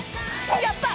やった！